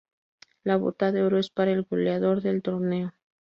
La Bota de Oro es para el goleador del torneo.